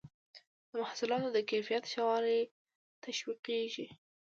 د محصولاتو د کیفیت ښه والی تشویقیږي.